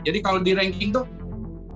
jadi kalau di rangking itu